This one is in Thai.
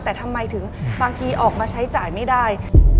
แต่ทำไมถึงบางทีออกมาใช้จ่ายไม่ได้